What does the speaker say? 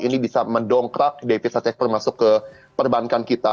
ini bisa mendongkrak devis hasil ekspor masuk ke perbankan kita